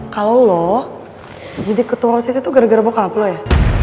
kalo lo jadi ketua osis itu gara gara bokap lo ya